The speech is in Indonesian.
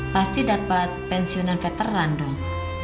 pasti dapat pensiunan veteran dong